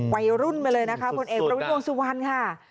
ไปรุ่นไปเลยนะคะคุณเอกประวิทย์วงศ์สุวรรณค่ะ